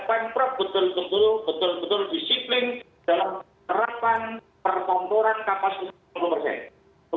pemprov betul betul disiplin dalam terapan perkantoran kapasitas perkantoran